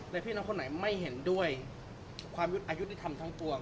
และพี่น้องคนไหนไม่เห็นด้วยความอายุนิธรรมทั้งปวง